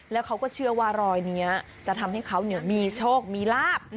แล้วเขาก็เชื่อว่ารอยนี้จะทำให้เขามีโชคมีลาบ